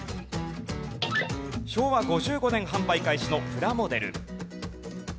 昭和５５年販売開始のプラモデル。